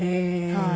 はい。